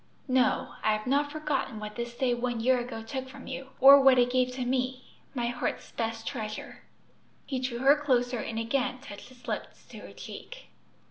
"No; I have not forgotten what this day one year ago took from you, or what it gave to me my heart's best treasure." He drew her closer, and again touched his lips to her cheek.